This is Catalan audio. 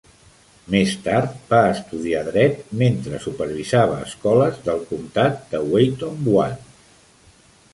Més tard va estudiar dret mentre supervisava escoles del comtat de Watonwan.